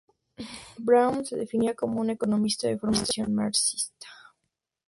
Braun se definía como un economista de formación marxista.